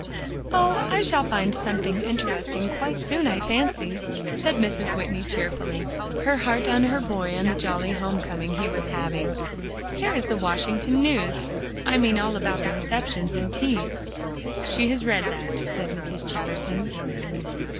"Oh! I shall find something interesting quite soon, I fancy," said Mrs. Whitney cheerfully, her heart on her boy and the jolly home coming he was having. "Here is the Washington news; I mean all about the receptions and teas." "She has read that," said Mrs. Chatterton.